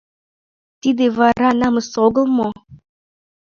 Тиде вара намыс огыл мо?